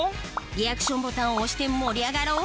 リアクションボタンを押して盛り上がろう！